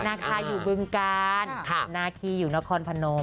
นาคาอยู่บึงกาลนาคีอยู่นครพนม